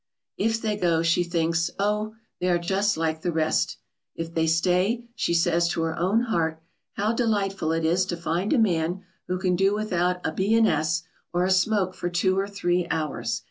If they go she thinks, "Oh, they are just like the rest." If they stay she says to her own heart, "How delightful it is to find a man who can do without a B. and S. or a smoke for two or three hours!"